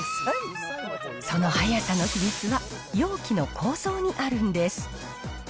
その速さの秘密は、容器の構造にあるんです。